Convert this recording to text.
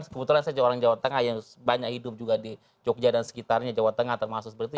kebetulan saja orang jawa tengah yang banyak hidup juga di jogja dan sekitarnya jawa tengah termasuk seperti itu